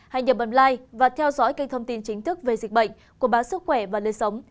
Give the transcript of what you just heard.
hãy nhập bấm like và theo dõi kênh thông tin chính thức về dịch bệnh của bán sức khỏe và lên sống